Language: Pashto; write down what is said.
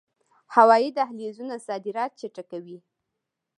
هوایی دهلیزونه صادرات چټکوي